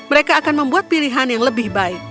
mereka akan membuat pilihan yang lebih baik